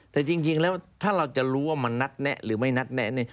แต่จริงแล้วถ้าเราจะรู้ว่ามันนัดแนะหรือไม่นัดแนะเนี่ย